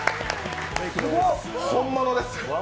本物です。